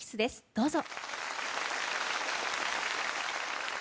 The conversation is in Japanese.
どうぞ。